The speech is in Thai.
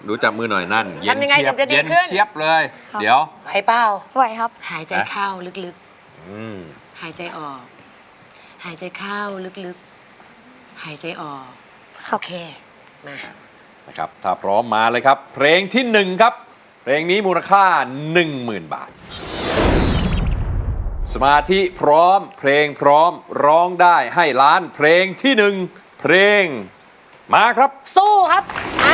โอเคนะครับถ้าพร้อมมาเลยครับเพลงที่๑ครับเพลงนี้มูลค่า๑๐๐๐๐บาทสมาธิพร้อมเพลงพร้อมร้องได้ให้ล้านเพลงที่๑เพลงมาครับสู้ครับ